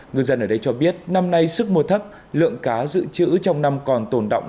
ngư dân ở đây cho biết năm nay sức mua thấp lượng cá dự trữ trong năm còn tồn động